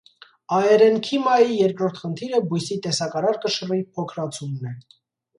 Աերենքիմայի երկրորդ խնդիրը բույսի տեսակարար կշռի փոքրացումն է։